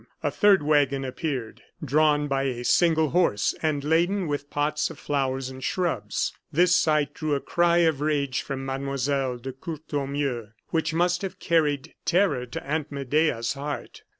A third wagon appeared, drawn by a single horse, and laden with pots of flowers and shrubs. This sight drew a cry of rage from Mlle. de Courtornieu which must have carried terror to Aunt Medea's heart.